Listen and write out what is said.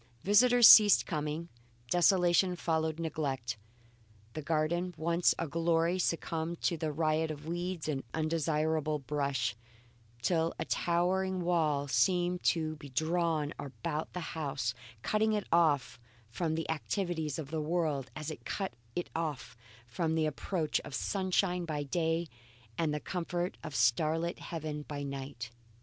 Visitors ceased coming; desolation followed neglect. The garden, once a glory, succumbed to a riot of weeds and undesirable brush, till a towering wall seemed to be drawn about the house cutting it off from the activities of the world as it cut it off from the approach of sunshine by day, and the comfort of a star lit heaven by night.